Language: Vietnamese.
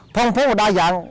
phong phố và đa dạng